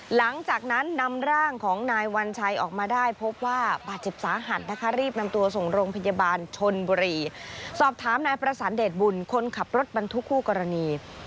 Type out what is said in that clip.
หลังจากนั้นนำร่างของนายวัญชัยออกมาได้